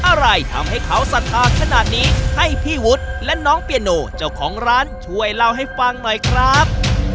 อะไรทำให้เขาศรัทธาขนาดนี้ให้พี่วุฒิและน้องเปียโนเจ้าของร้านช่วยเล่าให้ฟังหน่อยครับ